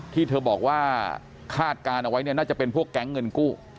ที่เธอบอกว่าคาดการณ์เอาไว้เนี่ยน่าจะเป็นพวกแก๊งเงินกู้